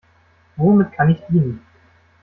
Womit kann ich dienen?